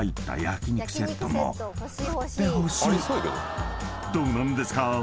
［どうなんですか？